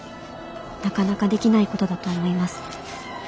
なかなかできないことだと思います。